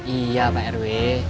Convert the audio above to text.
iya pak rw